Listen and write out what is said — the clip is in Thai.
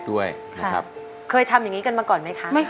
คุณยายแดงคะทำไมต้องซื้อลำโพงและเครื่องเสียง